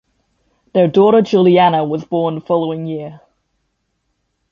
Their daughter Julianna was born the following year.